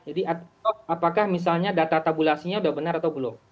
jadi apakah misalnya data tabulasinya udah benar atau belum